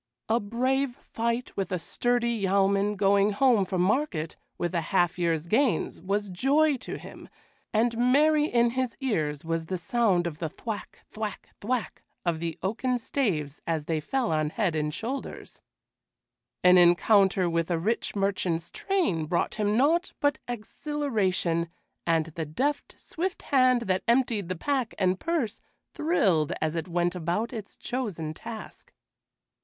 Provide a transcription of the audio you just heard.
A brave fight with a sturdy yeoman going home from market with a half year's gains was joy to him, and merry in his ears was the sound of the thwack, thwack, thwack of the oaken staves as they fell on head and shoulders; an encounter with a rich merchant's train brought him naught but exhilaration, and the deft, swift hand that emptied the pack and purse thrilled as it went about its chosen task.